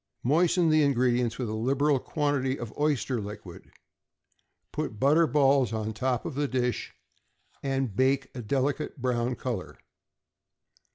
Moisten the ingredients with a liberal quantity of oyster liquid, put small butter balls on top of the dish, and bake a delicate brown color.